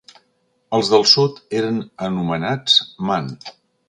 Els del sud eren anomenats Man.